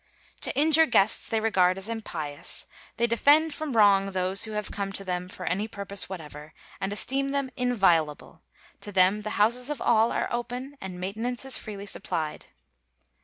To injure guests they regard as impious; they defend from wrong those who have come to them for any purpose whatever, and esteem them inviolable; to them the houses of all are open and maintenance is freely supplied.